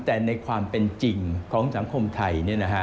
แต่ในความเป็นจริงของสังคมไทย